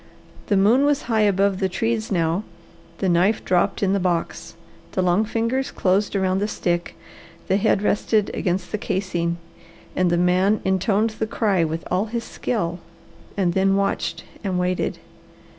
The moon was high above the trees now, the knife dropped in the box, the long fingers closed around the stick, the head rested against the casing, and the man intoned the cry with all his skill, and then watched and waited.